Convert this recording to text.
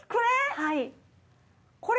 はい。